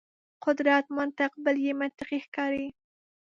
قدرت منطق بل بې منطقي ښکاري.